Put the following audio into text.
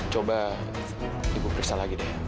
coba ibu periksa lagi deh